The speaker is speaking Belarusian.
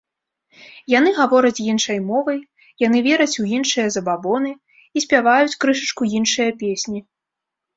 Яны гавораць іншай мовай, яны вераць у іншыя забабоны і спяваюць крышачку іншыя песні.